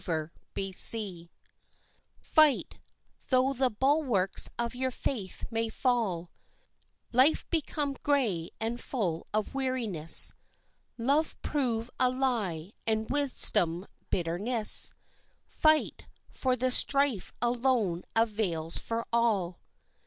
_ Fight, though the bulwarks of your faith may fall, Life become gray and full of weariness, Love prove a lie and wisdom bitterness Fight, for the strife alone avails for all.